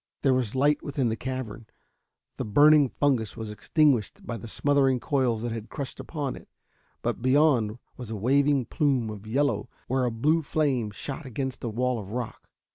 There was light within the cavern. The burning fungus was extinguished by the smothering coils that had crashed upon it, but beyond was a waving plume of yellow where a blue flame shot against a wall of rock.